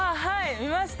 見ました。